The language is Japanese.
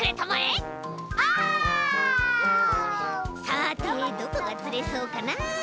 さてどこがつれそうかな？